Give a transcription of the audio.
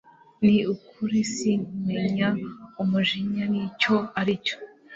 Ni uKuri Sinkimenya umujinya icyo ari cyo